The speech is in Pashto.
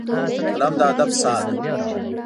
قلم د ادب ساه ده